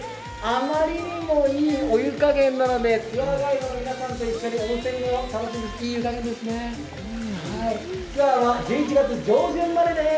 あまりにもいいお湯加減なので、ツアーガイドの皆さんと一緒に温泉を楽しんでいます。